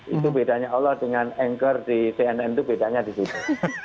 itu bedanya allah dengan anchor di cnn itu bedanya di situ